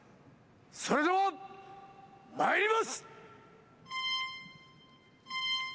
それではまいります！